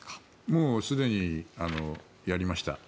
もうすでにやりました。